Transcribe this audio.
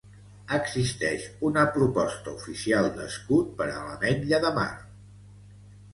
Existeix una proposta oficial d'escut per a l'Ametlla de Mar.